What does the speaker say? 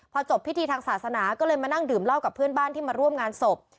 พอจบพิธีทางศาสนาก็เลยมานั่งดื่มเหล้ากับเพื่อนบ้านที่มาร่วมงานศพ